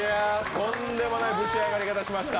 とんでもないぶち上がり方しました。